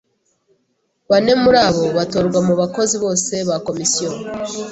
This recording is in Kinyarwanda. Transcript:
Bane muri bo batorwa mu bakozi bose ba Komisiyo